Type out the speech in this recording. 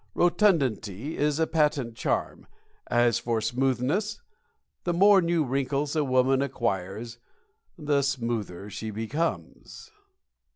Rotundity is a patent charm; as for smoothness the more new wrinkles a woman acquires, the smoother she becomes.